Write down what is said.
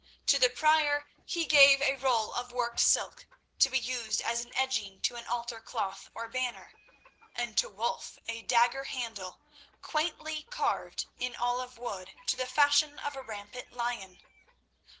To the Prior he gave a roll of worked silk to be used as an edging to an altar cloth or banner, and to Wulf a dagger handle, quaintly carved in olive wood to the fashion of a rampant lion.